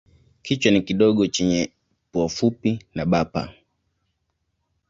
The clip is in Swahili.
Kichwa ni kidogo chenye pua fupi na bapa.